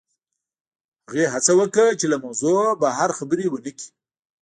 هغې هڅه وکړه چې له موضوع نه بهر خبرې ونه کړي